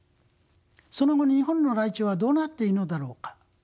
その後日本のライチョウはどうなっているのだろうか？